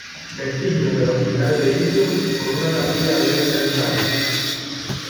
Vestigios del hospital de indios, con una capilla abierta aislada.